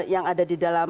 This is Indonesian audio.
yang ada di dalam